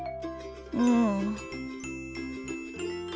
うん。